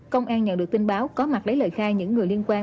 công an nhận được tin báo có mặt lấy lời khai những người liên quan